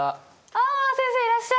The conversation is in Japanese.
あ先生いらっしゃい！